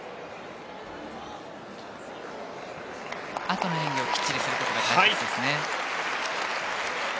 あとの演技をきっちりすることが大切ですね。